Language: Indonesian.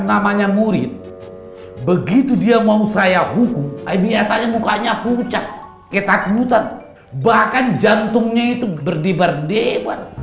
namanya murid begitu dia mau seraya hukum biasanya mukanya pucat ketakutan bahkan jantungnya itu berdebar debar